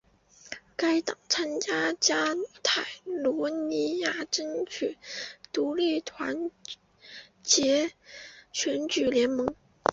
该党参加加泰罗尼亚争取独立团结选举联盟。